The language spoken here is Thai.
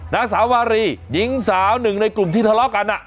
นางสาวารีหญิงสาวหนึ่งในกลุ่มที่ทะเลาะกัน